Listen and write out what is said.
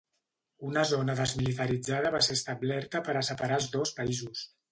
Una zona desmilitaritzada va ser establerta per a separar els dos països.